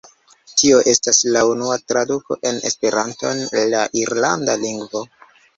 Tio estis la unua traduko en Esperanton el la irlanda lingvo.